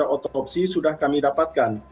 otopsi sudah kami dapatkan